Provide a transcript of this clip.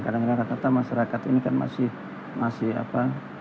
kadang kadang kata kata masyarakat ini kan masih apa